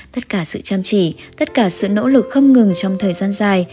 tất cả sự chăm chỉ tất cả sự nỗ lực không ngừng trong thời gian dài